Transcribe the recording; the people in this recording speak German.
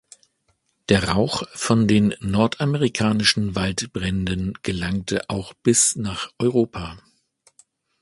Der Rauch von den nordamerikanischen Waldbränden gelangte auch bis nach Europa.